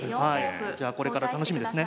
じゃあこれから楽しみですね。